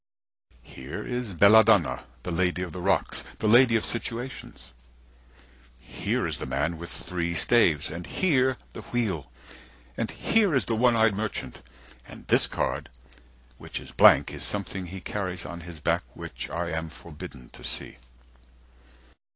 Here is Belladonna, the Lady of the Rocks, The lady of situations. 50 Here is the man with three staves, and here the Wheel, And here is the one eyed merchant, and this card, Which is blank, is something he carries on his back, Which I am forbidden to see.